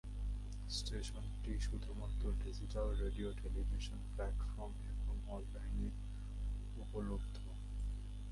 স্টেশনটি শুধুমাত্র digital radio, television platform এবং অনলাইনে উপলব্ধ।